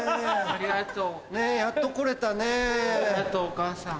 ありがとうお母さん。